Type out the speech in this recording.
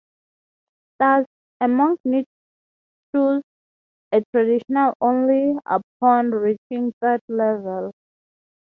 Thus, a monk need choose a tradition only upon reaching third level.